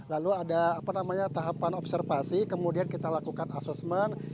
lalu ada tahapan observasi kemudian kita lakukan asesmen